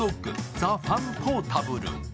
ザ・ファン・ポータブル。